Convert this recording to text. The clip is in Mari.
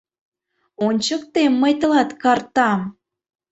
Ончыктем мый тылат картам!